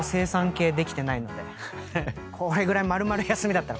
これぐらい丸々休みだったら。